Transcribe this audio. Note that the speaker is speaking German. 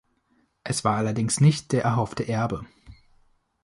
Es war allerdings nicht der erhoffte Erbe.